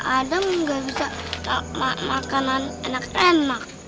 adam enggak bisa makan makanan enak enak